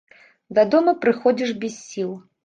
Дадому прыходзіш без сіл.